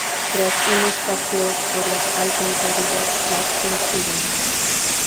Tras unos paseos por las alcantarillas las consiguen.